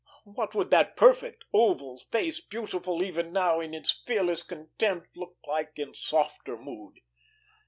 What would that perfect oval face, beautiful even now in its fearless contempt, look like in softer mood?